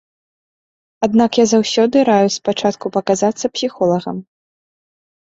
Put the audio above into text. Аднак я заўсёды раю спачатку паказацца псіхолагам.